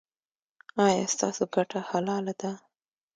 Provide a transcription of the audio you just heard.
ایا ستاسو ګټه حلاله ده؟